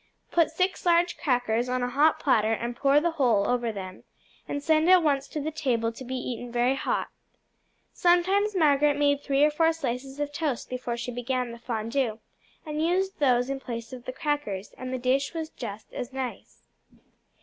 Put six large crackers on a hot platter and pour the whole over them, and send at once to the table to be eaten very hot. Sometimes Margaret made three or four slices of toast before she began the fondu, and used those in place of the crackers, and the dish was just as nice.